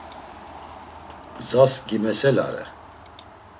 Gzas gimeselare.